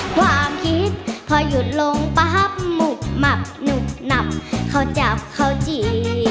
ความคิดพอหยุดลงปรับหมุ่มับหนุนับเขาจับเขาจี๊